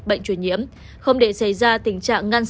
bệnh truyền nhiễm không để xảy ra tình trạng ngăn